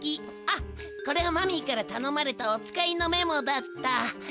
あっこれはマミーからたのまれたお使いのメモだった。